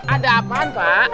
ada apaan pak